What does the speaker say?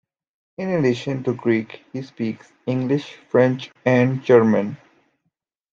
In addition to Greek, he speaks English, French and German.